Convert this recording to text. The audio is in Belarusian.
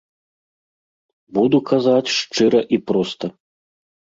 Буду казаць шчыра і проста.